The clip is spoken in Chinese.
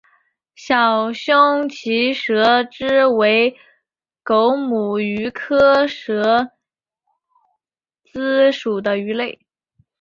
小胸鳍蛇鲻为狗母鱼科蛇鲻属的鱼类。